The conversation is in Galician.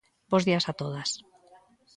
Bos días a todas.